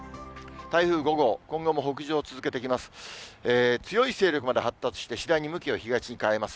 台風５号、今後も北上を続けてきます。